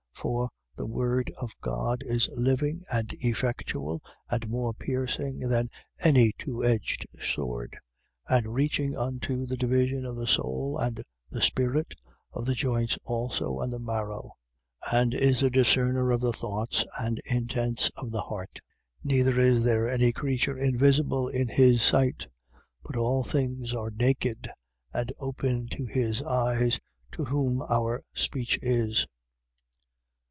4:12. For the word of God is living and effectual and more piercing than any two edged sword; and reaching unto the division of the soul and the spirit, of the joints also and the marrow: and is a discerner of the thoughts and intents of the heart. 4:13. Neither is there any creature invisible in his sight: but all things are naked and open to his eyes, to whom our speech is.